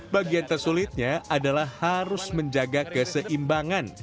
bagian tersulitnya adalah harus menjaga keseimbangan